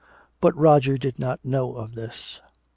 But Roger did not know of this.